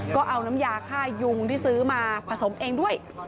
ก็เอาน้ำยาค่ายุงที่ซื้อมาผสมเองด้วย